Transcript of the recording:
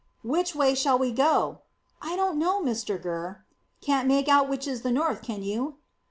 "Which way shall we go?" "I don't know, Mr Gurr." "Can't make out which is the north, can you?"